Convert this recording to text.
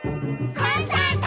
コンサート！